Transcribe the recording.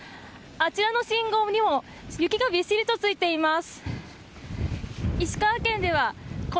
あちらの信号にも雪がびっしりとついています。